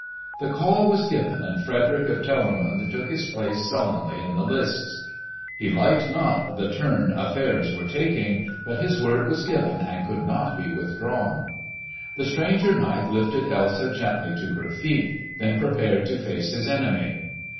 The call was given, and Frederick of Telramund took his place sullenly in the lists. He liked not the turn affairs were taking, but his word was given and could not be withdrawn. The stranger knight lifted Elsa gently to her feet, then prepared to face his enemy.